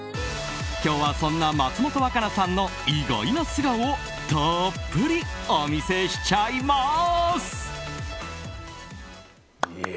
今日は、そんな松本若菜さんの意外な素顔をたっぷりお見せしちゃいます！